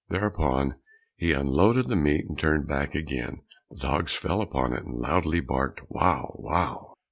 Thereupon he unloaded the meat and turned back again, the dogs fell upon it and loudly barked, "wow, wow."